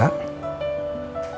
ya buat sore ini